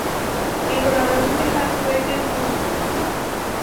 En colaboración con Hans Peter Türk.